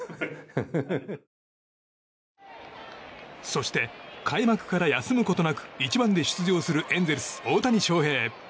そして、開幕から休むことなく１番で出場するエンゼルス、大谷翔平。